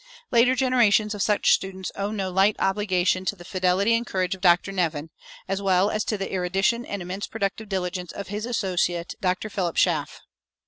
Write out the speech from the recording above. Later generations of such students owe no light obligation to the fidelity and courage of Dr. Nevin, as well as to the erudition and immense productive diligence of his associate, Dr. Philip Schaff.